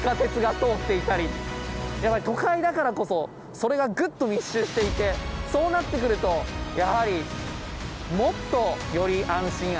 やっぱり都会だからこそそれがぐっと密集していてそうなってくるとやはりもっとより安心安全に。